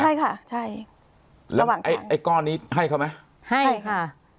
ใช่ค่ะใช่ระหว่างไอ้ไอ้ก้อนนี้ให้เขาไหมให้ใช่ค่ะ